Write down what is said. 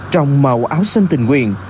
trong màu áo xanh tình nguyện